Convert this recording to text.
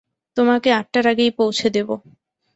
তোমাকে আটটার আগেই পৌঁছে দেব।